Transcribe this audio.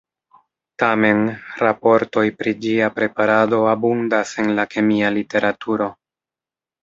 Tamen, raportoj pri ĝia preparado abundas en la kemia literaturo.